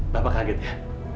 bapak kaget ya